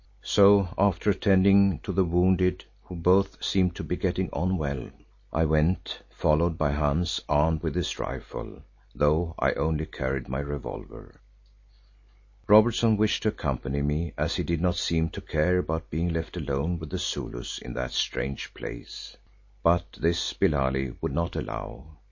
So, after attending to the wounded, who both seemed to be getting on well, I went, followed by Hans armed with his rifle, though I only carried my revolver. Robertson wished to accompany me, as he did not seem to care about being left alone with the Zulus in that strange place, but this Billali would not allow.